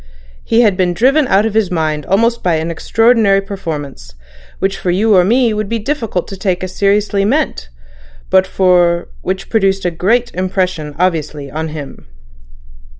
He had been driven out of his mind almost by an extraordinary performance, which for you or me it would be difficult to take as seriously meant, but which produced a great impression obviously on him."